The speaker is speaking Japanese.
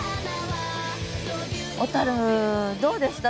小どうでした？